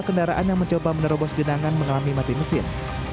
kendaraan yang mencoba menerobos genangan mengalami mati mesin